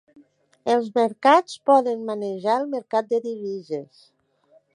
Els mercats poden manejar el mercat de divises